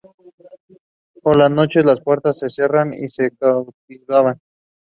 To aggregate representative samples was impossible.